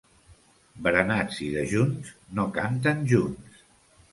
Berenats i dejuns no canten junts.